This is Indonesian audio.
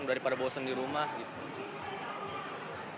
daripada bosen di rumah gitu